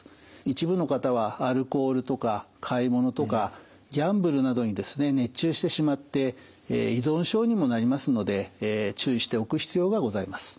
一部の方はアルコールとか買い物とかギャンブルなどに熱中してしまって依存症にもなりますので注意しておく必要がございます。